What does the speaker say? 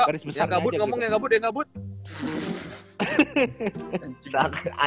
baris besar aja gitu